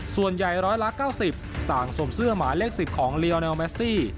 ส่วนใหญ่ร้อยละ๙๐ต่างส่วมเสื้อหมาเลข๑๐ของเรอเนลแมสซี่